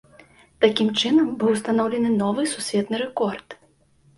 Такім чынам быў устаноўлены новы сусветны рэкорд.